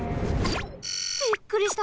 びっくりした。